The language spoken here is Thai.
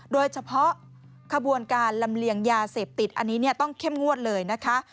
โดยเฉพาะขบวนการลำเลียงยาเสพติดอันนี้ต้องเข้มงวดเลยนะคะ